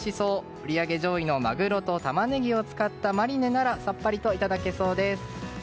売り上げ上位のマグロとタマネギを使ったマリネならさっぱりといただけそうです。